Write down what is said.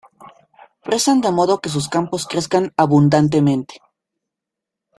Rezan de modo que sus campos crezcan abundantemente.